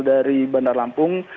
dari bandar lampung